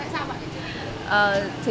tại sao bạn đã thử